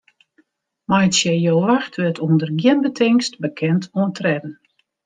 Meitsje jo wachtwurd ûnder gjin betingst bekend oan tredden.